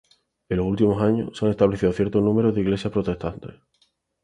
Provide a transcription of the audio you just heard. En los últimos años, se han establecido cierto número de iglesias protestantes.